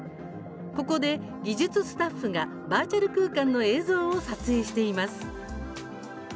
ここで技術スタッフがバーチャル空間の映像を撮影しています。